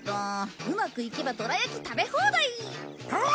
うまくいけばどら焼き食べ放題！